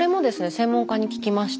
専門家に聞きました。